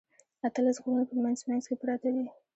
اتلس غرونه په منځ منځ کې پراته دي.